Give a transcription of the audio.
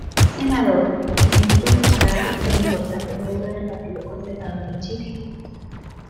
Senador, ministro de Estado e importante miembro del Partido Conservador de Chile.